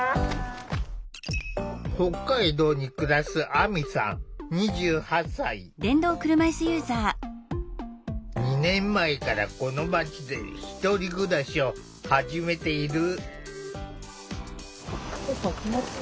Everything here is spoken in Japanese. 北海道に暮らす２年前からこの街で１人暮らしを始めている。